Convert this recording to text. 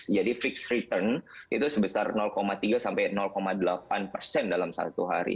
jadi fix return itu sebesar tiga sampai delapan persen dalam satu hari